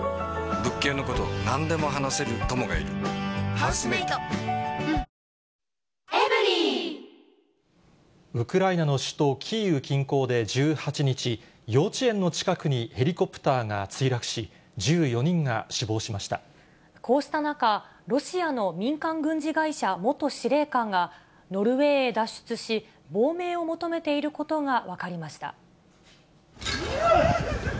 新「アタックＺＥＲＯ」ウクライナの首都キーウ近郊で１８日、幼稚園の近くにヘリコプターが墜落し、こうした中、ロシアの民間軍事会社元司令官が、ノルウェーへ脱出し、亡命を求めていることが分かりました。